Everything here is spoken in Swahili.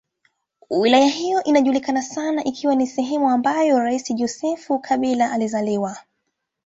Wilaya hiyo inajulikana sana ikiwa ni sehemu ambayo rais Joseph Kabila alizaliwa.